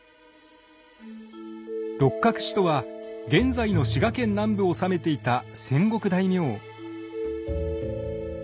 六角氏とは現在の滋賀県南部を治めていた戦国大名。